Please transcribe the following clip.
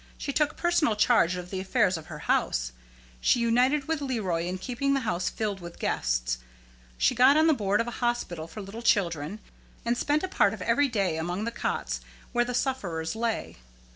She took personal charge of the affairs of her house; she united with Leroy in keeping the house filled with guests; she got on the board of a hospital for little children, and spent a part of every day among the cots where the sufferers lay.